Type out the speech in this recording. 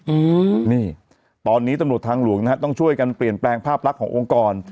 อืมนี่ตอนนี้ตำรวจทางหลวงนะฮะต้องช่วยกันเปลี่ยนแปลงภาพลักษณ์ขององค์กร